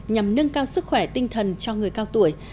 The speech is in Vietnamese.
nhằm nâng cao sức khỏe tinh thần cho người cao tuổi